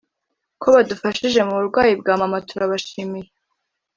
Ku badufashije mu burwayi bwa mama turabashimiye